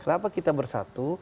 kenapa kita bersatu